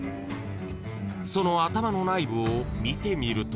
［その頭の内部を見てみると］